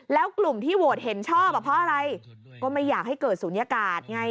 แล้วกลุ่มที่โหวตเห็นชอบเพราะอะไรก็ไม่อยากให้เกิดศูนยากาศไง